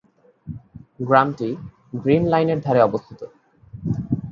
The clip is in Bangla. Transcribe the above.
গ্রামটি গ্রীন লাইনের ধারে অবস্থিত।